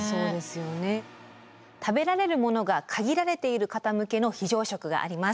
食べられる物が限られている方向けの非常食があります。